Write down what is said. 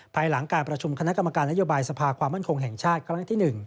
ภายหลังการประชุมคณะกรรมการนโยบายสภาความมั่นคงแห่งชาติครั้งที่๑